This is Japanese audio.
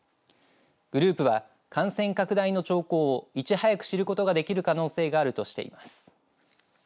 グループは、感染拡大の兆候をいち早く知ることができる可能性があるとしています。